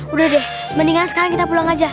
udah deh mendingan sekarang kita pulang aja